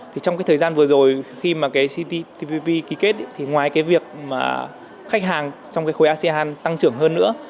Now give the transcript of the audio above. trong thời gian vừa rồi khi mà ctpp ký kết ngoài việc khách hàng trong khối asean tăng trưởng hơn nữa